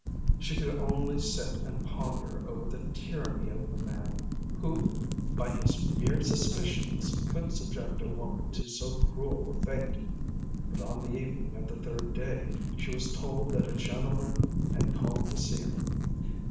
She could only sit and ponder over the tyranny of the man who by his mere suspicions could subject a woman to so cruel a fate. But on the evening of the third day she was told that a gentleman had called to see her.